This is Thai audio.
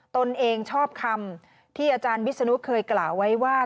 ตนเองชอบคำที่อาจารย์วิศนุเคยกล่าวไว้ว่า